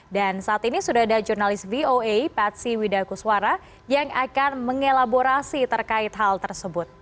dan saat ini sudah ada jurnalis voa patsy widakuswara yang akan mengelaborasi terkait hal tersebut